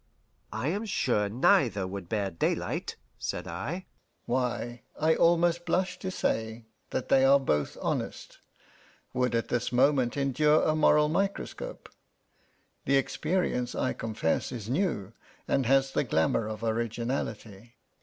"I am sure neither would bear daylight," said I. "Why, I almost blush to say that they are both honest would at this moment endure a moral microscope. The experience, I confess, is new, and has the glamour of originality."